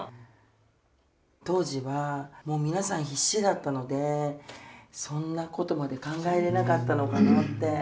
当時はもう皆さん必死だったのでそんなことまで考えれなかったのかなって。